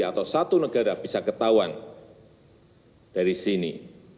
atau satu negara bisa ketahuan dari sini